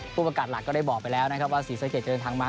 ผู้ประกาศหลักก็ได้บอกไปแล้วนะครับว่าศรีสะเกดเดินทางมา